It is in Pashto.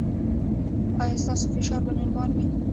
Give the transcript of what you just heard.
ایا ستاسو فشار به نورمال وي؟